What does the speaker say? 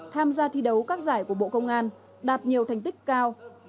tham gia thi đấu các giải của bộ công an đạt nhiều thành tích cao